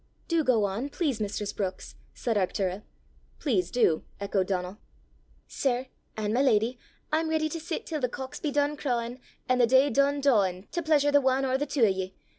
"Do go on, please, mistress Brookes," said Arctura. "Please do," echoed Donal. "Sir, an' my leddy, I'm ready to sit till the cocks be dune crawin', an' the day dune dawin', to pleesur the ane or the twa o' ye!